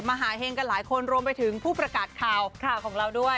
มหาเฮงกันหลายคนรวมไปถึงผู้ประกาศข่าวของเราด้วย